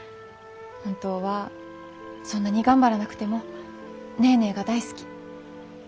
本当はそんなに頑張らなくてもネーネーが大好き。